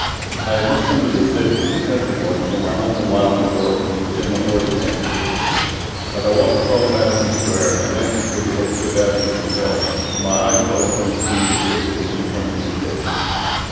I had just come to the city, a country boy, from my home in Lisle, N. Y., to attend the Horace Mann School. As I walked across Madison Square, I glanced toward the old Fifth Avenue Hotel, where my eyes fell upon the scene depicted in the accompanying picture.